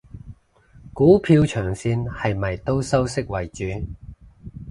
股票長線係咪都收息為主？